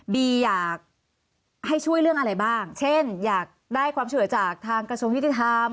บีอยากให้ช่วยเรื่องอะไรบ้างเช่นอยากได้ความเชื่อจากทางกระชุมวิทยาธิธรรม